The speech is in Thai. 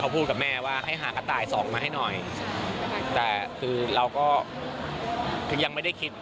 ผมก็ถามเค้าว่าล้องไห้